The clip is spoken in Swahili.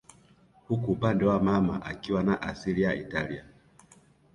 huku upande wa mama akiwa na asili ya Italia